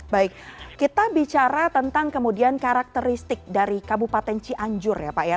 baik kita bicara tentang kemudian karakteristik dari kabupaten cianjur ya pak ya